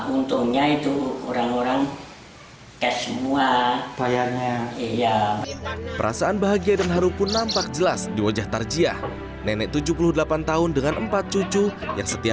untungnya itu orang orang kes semua